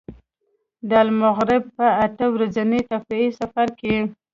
د المغرب په اته ورځني تفریحي سفر کې.